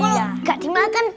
kalau gak dimakan